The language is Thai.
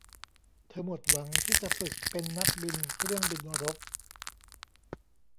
เธอหมดหวังที่จะฝึกเป็นนักบินเครื่องบินรบ